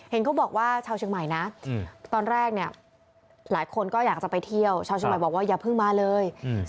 เห็นเขาบอกว่าชาวเชียงใหม่นะตอนแรกเนี่ยหลายคนก็อยากจะไปเที่ยวชาวเชียงใหม่บอกว่าอย่าเพิ่งมาเลย